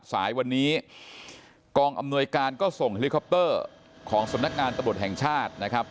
สายวันนี้กองอำนวยการก็ส่งเฮลิคอปเตอร์ของสำนักงานตำรวจแห่งชาตินะครับ